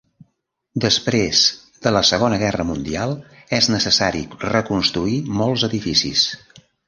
Després de la Segona Guerra Mundial, és necessari reconstruir molts edificis.